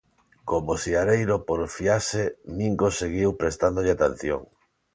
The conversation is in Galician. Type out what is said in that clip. Como o siareiro porfiase, Mingos seguiu prestándolle atención.